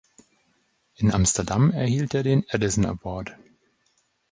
In Amsterdam erhielt er den Edison Award.